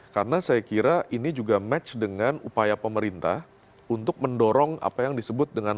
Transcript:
karena saya kira ini juga match dengan upaya pemerintah untuk mendorong apa yang disebut dengan